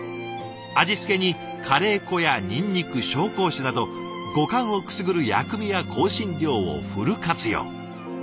味付けにカレー粉やにんにく紹興酒など五感をくすぐる薬味や香辛料をフル活用。